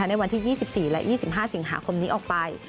ในวันที่๒๔และ๒๕สิงหาคมนี้ออกไป